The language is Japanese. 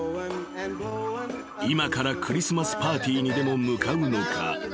［今からクリスマスパーティーにでも向かうのか？］